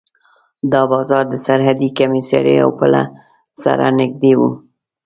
دا بازار د سرحدي کمېسارۍ او پله سره نږدې و.